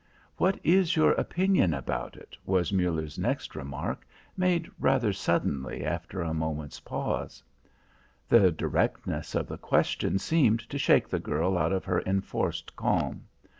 "What is your opinion about it?" was Muller's next remark, made rather suddenly after a moment's pause. The directness of the question seemed to shake the girl out of her enforced calm.